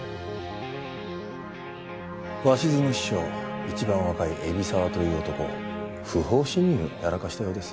鷲津の秘書一番若い蛯沢という男不法侵入やらかしたようです。